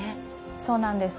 そうなんです